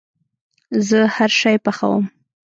زه هرشی پخوم